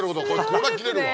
これは切れるわ。